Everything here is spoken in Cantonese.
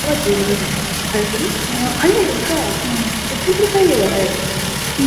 能夠解決專家級數學問題，例如陶哲軒嘅高難度挑戰